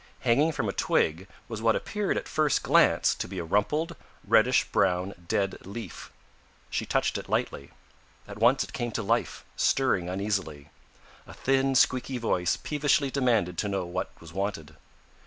Hanging from a twig was what appeared at first glance to be a rumpled, reddish brown dead leaf. She touched it lightly. At once it came to life, stirring uneasily. A thin, squeaky voice peevishly demanded to know what was wanted.